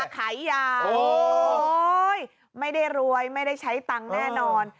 ขายยาไม่ได้รวยไม่ได้ใช้ตังค์แน่นอน